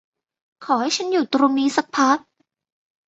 ขอให้ฉันอยู่ตรงนี้สักพัก